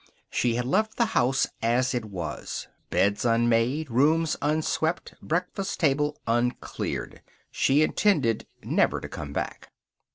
She had left the house as it was beds unmade, rooms unswept, breakfast table uncleared. She intended never to come back.